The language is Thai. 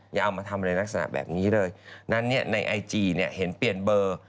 อย่าเอามาทำอะไรลักษณะแบบนี้เลยนั้นในไอจีเนี่ยเห็นเปลี่ยนเบอร์